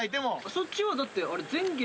そっちはだって。